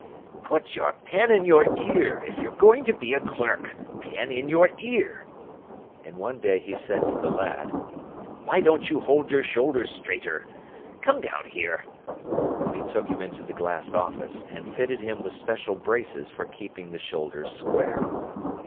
"Put your pen in your ear, if you're going to be a clerk. Pen in your ear!" And one day he said to the lad: "Why don't you hold your shoulders straighter? Come down here," when he took him into the glass office and fitted him with special braces for keeping the shoulders square.